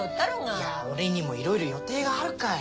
いや俺にもいろいろ予定があるかい。